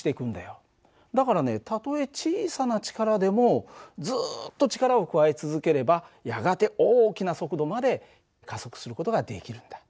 だからねたとえ小さな力でもずっと力を加え続ければやがて大きな速度まで加速する事ができるんだ。